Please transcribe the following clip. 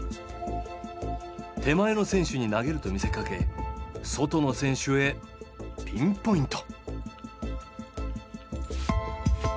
手前の選手に投げると見せかけ外の選手へピンポイント。